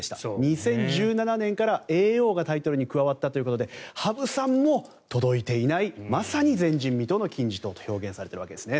２０１７年から叡王がタイトルに加わったということで羽生さんも届いていないまさに前人未到の金字塔と表現されているわけですね。